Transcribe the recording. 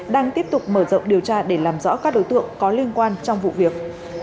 đang tiếp tục mở rộng điều tra để làm rõ các đối tượng có liên quan trong vụ việc